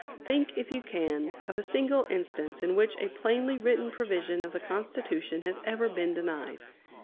Think, if you can, of a single instance in which a plainly written provision of the Constitution has ever been denied.